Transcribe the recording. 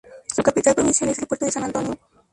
Su capital provincial es el puerto de San Antonio.